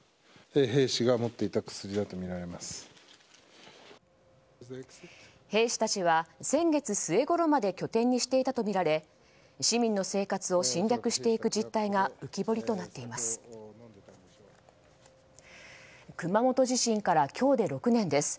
兵士たちは先月末ごろまで拠点にしていたとみられ市民の生活を侵略していった実態が熊本地震から今日で６年です。